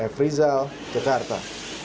f rizal jakarta